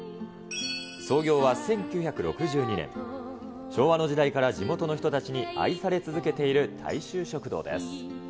創業は１９６２年、昭和の時代から地元の人たちに愛され続けている大衆食堂です。